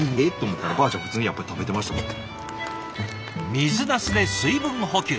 水なすで水分補給